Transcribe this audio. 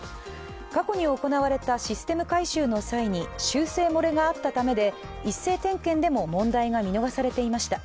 過去に行われたシステム改修の際に、修正漏れがあったためで一斉点検でも問題が見逃されていました。